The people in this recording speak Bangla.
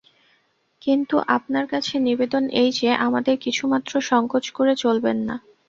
কিন্তু আপনার কাছে নিবেদন এই যে, আমাদের কিছুমাত্র সংকোচ করে চলবেন না।